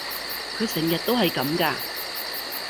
佢成日都係噉㗎？